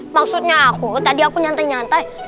maksudnya aku tadi aku nyantai nyantai